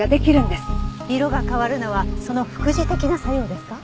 色が変わるのはその副次的な作用ですか？